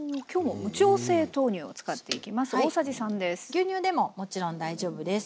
牛乳でももちろん大丈夫です。